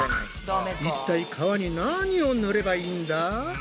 いったい皮に何を塗ればいいんだ？